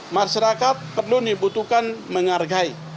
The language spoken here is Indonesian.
masyarakat perlu dibutuhkan menghargai